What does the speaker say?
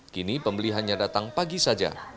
kini pembeli hanya datang pagi saja